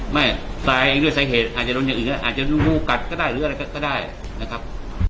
ไม่ตายด้วยสาเหตุอาจจะโดนอย่างอื่นก็อาจจะรูกัดก็ได้หรืออะไรก็ได้นะครับ